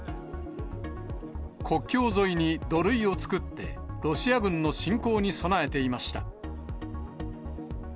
国境沿いに土塁を作って、ロシア軍の侵攻に備えていました。